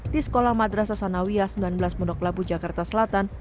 di sekolah madrasah sanawiya sembilan belas menoklapu jakarta selatan